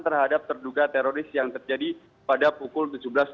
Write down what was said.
terhadap terduga teroris yang terjadi pada pukul tujuh belas tiga puluh